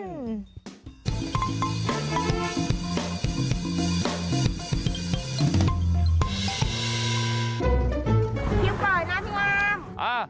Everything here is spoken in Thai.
พี่ปล่อยนะพี่วาม